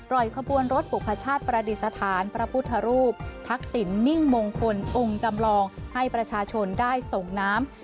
ขบวนรถบุคชาติประดิษฐานพระพุทธรูปทักษิณมิ่งมงคลองค์จำลองให้ประชาชนได้ส่งน้ำ